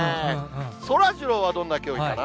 そらジローはどんな競技かな？